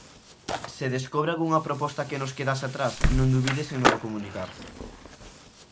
Se descobre algunha proposta que nos quedase atrás, non dubides en nolo comunicar.